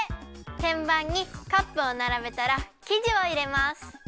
てんばんにカップをならべたらきじをいれます。